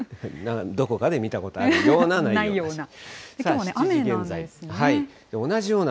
どこかで見たことあるような、ないような。